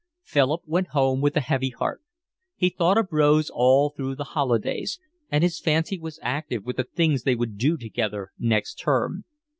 Philip went home with a heavy heart. He thought of Rose all through the holidays, and his fancy was active with the things they would do together next term.